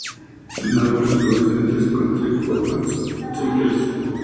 Son árboles pubescentes con tricomas simples.